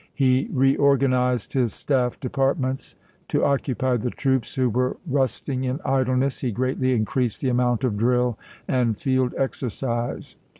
He reorgan ized his staff departments. To occupy the troops who were rusting in idleness, he greatly increased the amount of drill and field exercise.